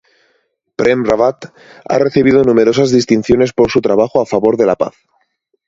Prem Rawat ha recibido numerosas distinciones por su trabajo a favor de la paz.